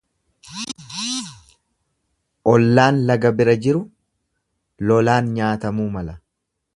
Ollaan laga bira jiru lolaan nyaatamuu mala.